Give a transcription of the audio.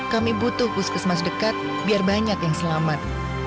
kami butuh puskesmas dekat biar banyak yang selamat